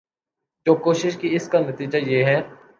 جو کوشش کی اس کا نتیجہ یہ ہے ۔